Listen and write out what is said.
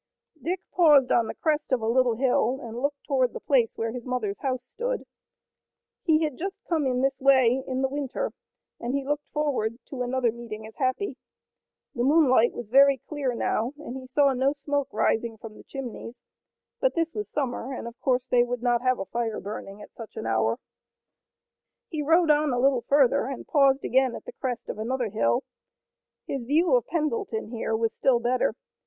Dick paused on the crest of a little hill and looked toward the place where his mother's house stood. He had come just in this way in the winter, and he looked forward to another meeting as happy. The moonlight was very clear now and he saw no smoke rising from the chimneys, but this was summer, and of course they would not have a fire burning at such an hour. He rode on a little further and paused again at the crest of another hill. His view of Pendleton here was still better.